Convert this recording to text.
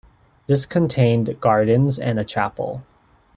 This contained gardens and a chapel.